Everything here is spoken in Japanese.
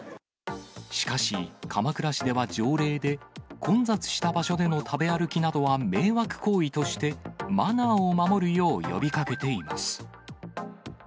しかし、鎌倉市では条例で、混雑した場所での食べ歩きなどは迷惑行為として、マナーを守るよう呼びかけています。